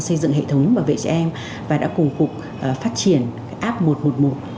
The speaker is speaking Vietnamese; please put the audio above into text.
xây dựng hệ thống bảo vệ trẻ em và đã cùng cục phát triển app một trăm một mươi một